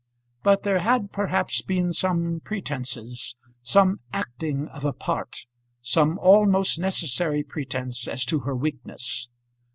But there had perhaps been some pretences, some acting of a part, some almost necessary pretence as to her weakness.